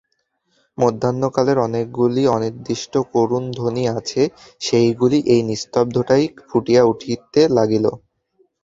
মধ্যাহ্নকালের অনেকগুলি অনির্দিষ্ট করুণধ্বনি আছে, সেইগুলি এই নিস্তব্ধতায় ফুটিয়া উঠিতে লাগিল।